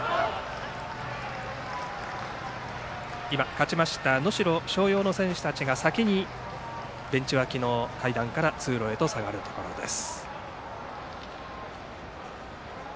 勝ちました能代松陽の選手たちが先にベンチ脇の階段から通路へと下がるところです。